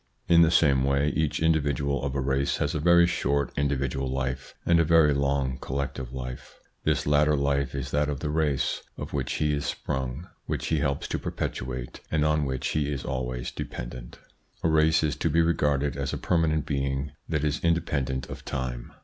In the same way each individual of a race has a very short individual life and a very long collective life. This latter life is that of the race of which he is sprung, which he helps to perpetuate, and on which he is always dependent. A race is to be regarded as a permanent being that is independent of time.